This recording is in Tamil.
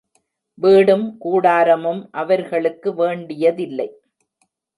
வீடும் கூடாரமும் அவர்களுக்கு வேண்டியதில்லை.